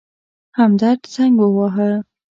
همدرد زنګ وواهه.